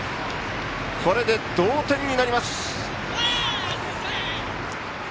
これで同点になります。